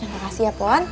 makasih ya pon